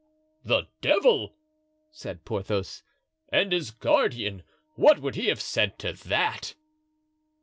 "The devil!" said Porthos; "and his guardian, what would he have said to that?"